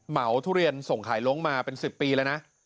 ทุเรียนส่งขายล้งมาเป็น๑๐ปีแล้วนะ